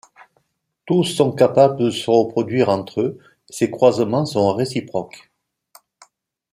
Tous sont capables de se reproduire entre eux et ces croisements sont réciproques.